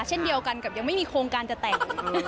เช่นเดียวกันกับยังไม่มีโครงการจะแต่ง